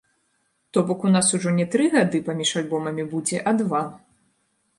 То бок у нас ужо не тры гады паміж альбомамі будзе а два.